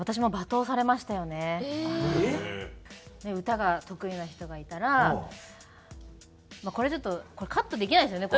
歌が得意な人がいたらまあこれはちょっとカットできないですよね？